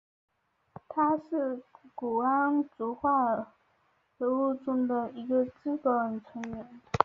它是钴胺族化合物中的一个基本成员。